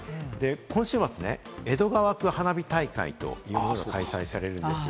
今週末、江戸川区花火大会というのが開催されるんですよ。